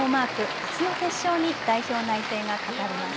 あすの決勝に代表内定がかかります。